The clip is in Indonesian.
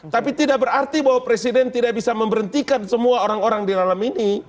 tapi tidak berarti bahwa presiden tidak bisa memberhentikan semua orang orang di dalam ini